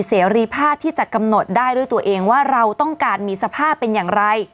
เสรีภาพที่จะกำหนดได้ด้วยตัวเองว่าเราต้องการมีสภาพเป็นอย่างไร